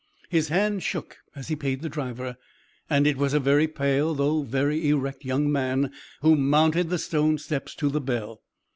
His hand shook as he paid the driver, and it was a very pale though very erect young man who mounted the stone steps to the bell.